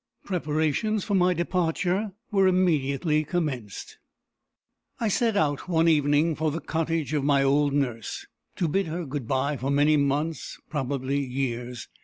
Preparations for my departure were immediately commenced. I set out one evening for the cottage of my old nurse, to bid her good bye for many months, probably years.